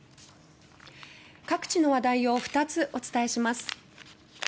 各地の話題を２つお伝えします。